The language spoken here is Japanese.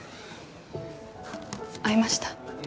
会いました？